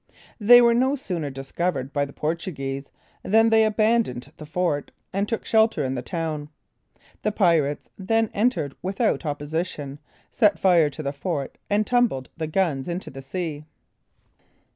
They were no sooner discovered by the Portuguese, than they abandoned the fort, and took shelter in the town. The pirates then entered without opposition, set fire to the fort, and tumbled the guns into the sea.